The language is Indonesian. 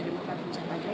dukat kecamatan rekal